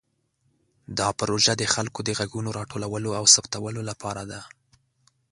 دا پروژه د خلکو د غږونو راټولولو او ثبتولو لپاره ده.